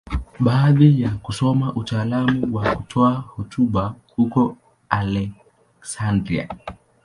Baada ya kusoma utaalamu wa kutoa hotuba huko Aleksandria.